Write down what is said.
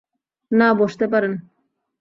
না, বসতে পারেন।